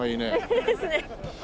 いいですね。